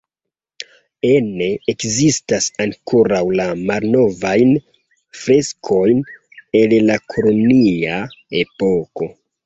Ene ekzistas ankoraŭ la malnovajn freskojn el la kolonia epoko.